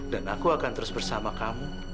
aku akan terus bersama kamu